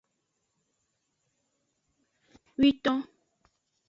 Witon.